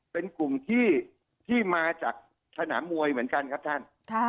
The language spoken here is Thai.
เป็นกลุ่มที่มาจากสนามมวยเหมือนกันครับท่าน